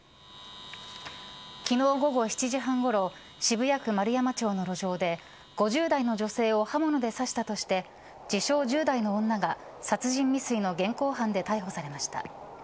昨日、午後７時半ごろ渋谷区円山町の路上で５０代の女性を刃物で刺したとして自称１０代の女が殺人未遂の現行犯で逮捕されました。